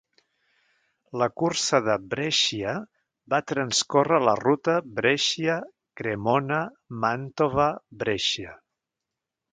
La cursa de Brescia va transcórrer la ruta Brescia-Cremona-Mantova-Brescia.